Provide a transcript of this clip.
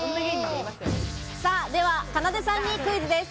では、かなでさんにクイズです。